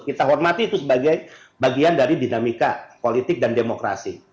kita hormati itu sebagai bagian dari dinamika politik dan demokrasi